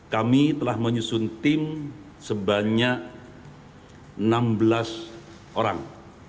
kami telah menyusun tim sebanyak enam belas orang